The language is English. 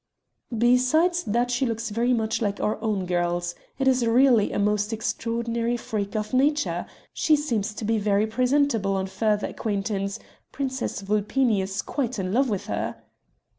"Besides that she looks very much like our own girls; it is really a most extraordinary freak of nature! She seems to be very presentable on further acquaintance; Princess Vulpini is quite in love with her."